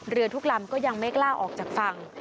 ทุกลำก็ยังไม่กล้าออกจากฝั่ง